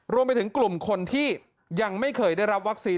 รวมไปถึงกลุ่มคนที่ยังไม่เคยได้รับวัคซีน